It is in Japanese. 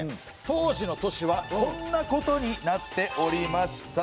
当時の都市はこんなことになっておりました。